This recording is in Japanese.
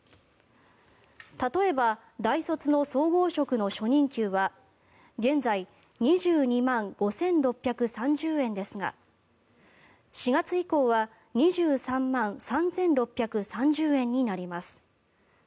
例えば、大卒の総合職の初任給は現在、２２万５６３０円ですが４月以降は２３万３６３０円になります。